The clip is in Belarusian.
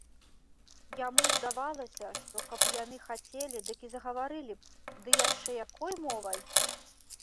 Яму здавалася, што каб яны хацелі, дык і загаварылі б, ды яшчэ якой мовай!